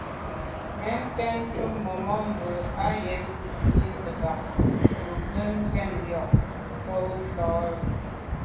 Mɛ́n tɛ̌n cúp màmá mbə̄ á jə́n mùní zə̄ bàk lù gə́ ndzjɛ̂k ŋkɔ̀k tǒ tàh tó.